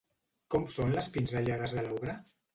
Com són les pinzellades de l'obra?